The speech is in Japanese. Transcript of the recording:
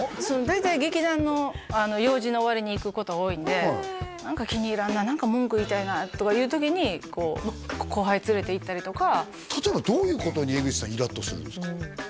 大体劇団の用事の終わりに行くことが多いんで何か気に入らんな何か文句言いたいなとかいう時にこう後輩連れて行ったりとか例えばどういうことに江口さんイラッとするんですか？